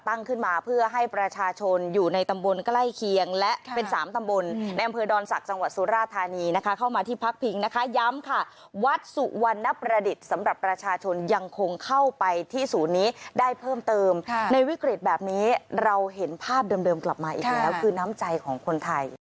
ตั้งขึ้นมาเพื่อให้ประชาชนอยู่ในตำบลใกล้เคียงและเป็นสามตำบลในอำเภอดอนศักดิ์จังหวัดสุราธานีนะคะเข้ามาที่พักพิงนะคะย้ำค่ะวัดสุวรรณประดิษฐ์สำหรับประชาชนยังคงเข้าไปที่ศูนย์นี้ได้เพิ่มเติมในวิกฤตแบบนี้เราเห็นภาพเดิมกลับมาอีกแล้วคือน้ำใจของคนไทย